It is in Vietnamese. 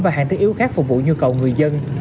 và hạn thức yếu khác phục vụ nhu cầu người dân